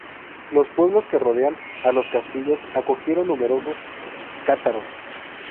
Los pueblos que rodean a los castillos acogieron numerosos cátaros.